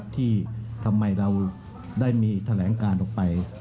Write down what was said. ที่ทำไมเราได้มีแถลงการออกไป